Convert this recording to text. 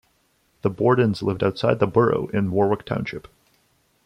The Bordens lived outside the borough in Warwick Township.